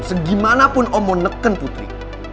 segimanapun om mau neken putri